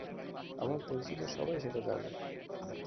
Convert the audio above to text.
আমার পরিচিত সবাই সেটা জানে।